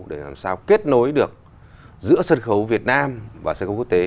để làm sao kết nối được giữa sân khấu việt nam và sân khấu quốc tế